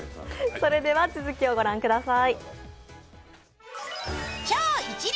それでは続きを御覧ください。